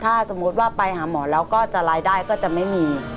ถ้าสมมุติว่าไปหาหมอแล้วก็จะรายได้ก็จะไม่มี